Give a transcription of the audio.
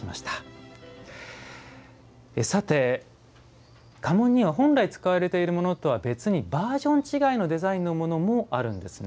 さて、家紋には本来使われているものとは別にバージョン違いのものもあるんですね。